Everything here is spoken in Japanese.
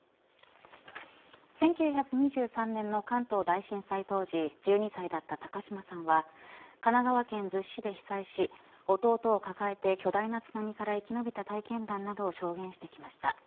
１９２３年の関東大震災当時１２歳だった高嶋さんは神奈川県逗子市で被災し弟を抱えて巨大な津波から生き延びた体験談などを証言してきました。